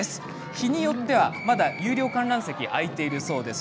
日によっては有料観覧席も空いているそうです。